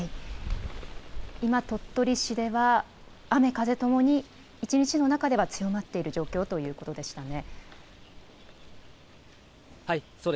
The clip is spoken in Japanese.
今、鳥取市では、雨風ともに一日の中では強まっている状況ということでしたね。